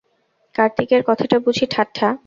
কার্তিকের কথাটা বুঝি ঠাট্টা?